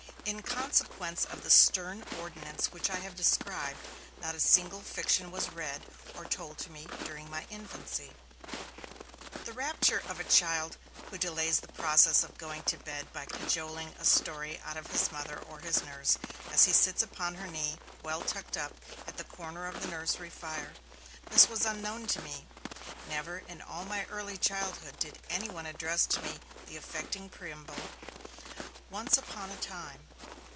In consequence of the stern ordinance which I have described, not a single fiction was read or told to me during my infancy. The rapture of the child who delays the process of going to bed by cajoling 'a story' out of his mother or his nurse, as he sits upon her knee, well tucked up, at the corner of the nursery fire this was unknown to me. Never in all my early childhood did anyone address to me the affecting preamble, 'Once upon a time!'